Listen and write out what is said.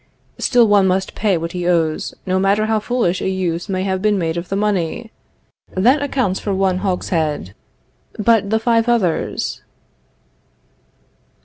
Still one must pay what he owes, no matter how foolish a use may have been made of the money. That accounts for one hogshead, but the five others?